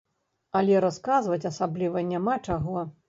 Але расказваць асабліва няма чаго.